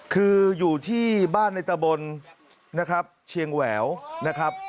คืออยู่ที่บ้านในตะบนนะครับเชียงแหววนะครับ